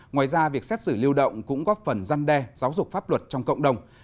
ngoài ra việc xét xử lưu động cũng góp phần răn đe giáo dục pháp luật trong cộng đồng